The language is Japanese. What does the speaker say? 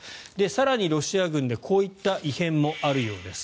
更にロシア軍でこういった異変もあるようです。